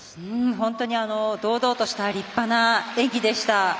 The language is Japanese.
本当に堂々とした立派な演技でした。